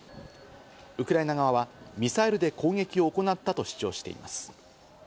ウクライナ側はミサイルで攻撃を行ったと主張しています。